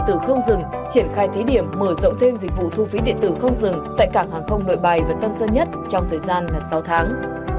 triển khai thí điểm mở rộng thêm dịch vụ thu phí điện tử không dừng tại cảng hàng không nội bài và tân dân nhất trong thời gian sáu tháng